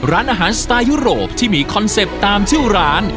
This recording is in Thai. ร้านอาหารสไตล์ยุโรปที่มีคอนเซ็ปต์ตามชื่อร้าน